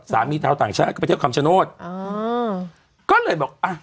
ชาวต่างชาติก็ไปเที่ยวคำชโนธอ๋อก็เลยบอกอ่ะ